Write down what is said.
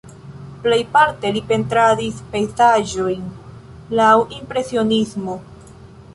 Plejparte li pentradis pejzaĝojn laŭ impresionismo.